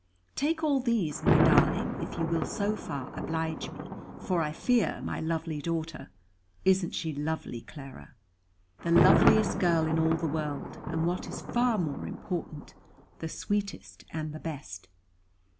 Take all these, my darling, if you will so far oblige me; for I fear my lovely daughter isn't she lovely, Clara?" "The loveliest girl in all the world; and what is far more important, the sweetest, and the best."